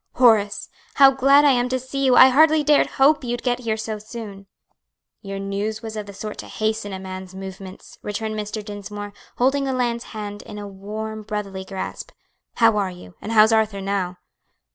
"Horace! how glad I am to see you! I hardly dared hope you could get here so soon." "Your news was of the sort to hasten a man's movements," returned Mr. Dinsmore, holding the lad's hand in a warm brotherly grasp. "How are you? and how's Arthur now?"